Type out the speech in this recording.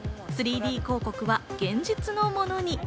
３Ｄ広告は現実のものに。